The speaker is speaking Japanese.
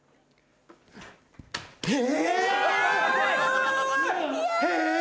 え！